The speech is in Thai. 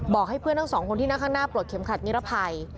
ให้เพื่อนทั้งสองคนที่นั่งข้างหน้าปลดเข็มขัดนิรภัย